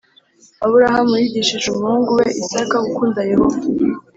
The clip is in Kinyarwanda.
Aburahamu yigishije umuhungu we Isaka gukunda Yehova